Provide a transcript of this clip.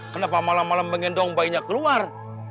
kenapa malam malam mengendong bayinya keluar